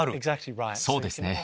そうですね。